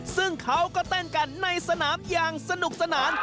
ซึ่งเขาก็เต้นกันในสนามอย่างสนุกสนาน